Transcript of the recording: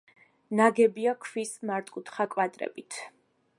ნაგებია ქვის მართკუთხა კვადრებით.